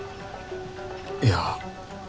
いや。